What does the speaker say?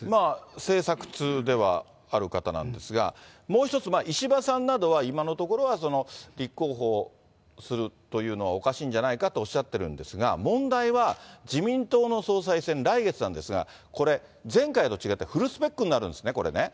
政策通ではある方なんですが、もう一つ、石破さんなどは、今のところは立候補するというのはおかしいんじゃないかとおっしゃってるんですが、問題は、自民党の総裁選、来月なんですが、これ、前回と違って、フルスペックになるんですね、これね。